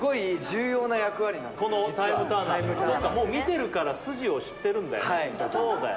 実はそっかもう見てるから筋を知ってるんだよね